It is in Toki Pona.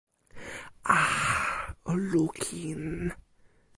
a! o lukin!